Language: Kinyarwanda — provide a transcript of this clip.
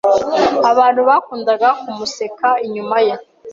Abantu bakundaga kumuseka inyuma ye.